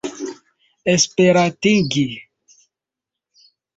esperantigi